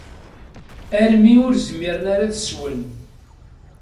Armi ur zmiren ara ad swen.